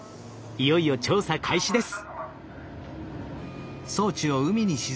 いよいよ調査開始です。